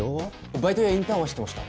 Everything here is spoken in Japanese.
バイトやインターンはしてました